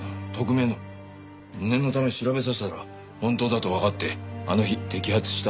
念のため調べさせたら本当だとわかってあの日摘発した。